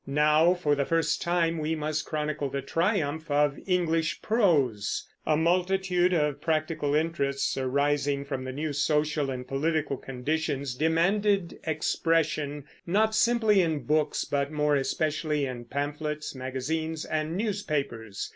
Now for the first time we must chronicle the triumph of English prose. A multitude of practical interests arising from the new social and political conditions demanded expression, not simply in books, but more especially in pamphlets, magazines, and newspapers.